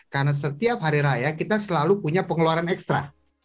karena setiap hari raya kita selalu punya pengeluaran ekstra